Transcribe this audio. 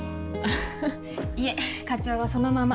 ハハいえ課長はそのまま。